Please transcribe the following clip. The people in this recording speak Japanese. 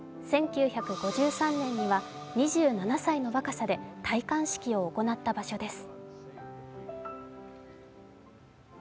１９５３年には２７歳の若さで戴冠式を行った場所です。